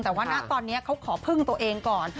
แต่ว่าณตอนนี้เขาขอพึ่งตัวเองก่อน